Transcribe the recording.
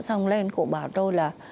xong lên cụ bảo tôi là